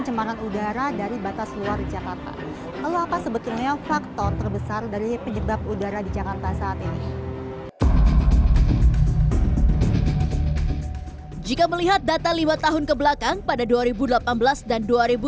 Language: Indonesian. jika melihat data lima tahun kebelakang pada dua ribu delapan belas dan dua ribu delapan belas